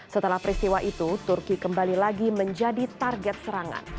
setelah peristiwa itu turki kembali lagi menjadi target serangan